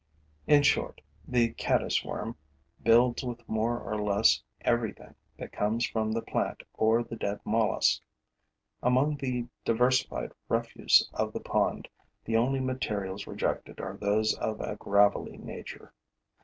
In short, the caddis worm builds with more or less everything that comes from the plant or the dead mollusk. Among the diversified refuse of the pond, the only materials rejected are those of a gravelly nature.